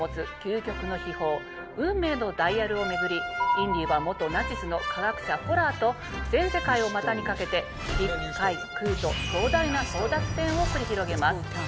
インディは元ナチスの科学者フォラーと全世界を股にかけて陸海空と壮大な争奪戦を繰り広げます。